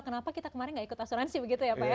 kenapa kita kemarin tidak ikut asuransi begitu ya pak ya